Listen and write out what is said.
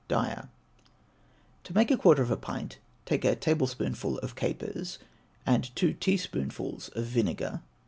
DYER. To make a quarter of a pint, take a tablespoonful of capers and two teaspoonfuls of vinegar.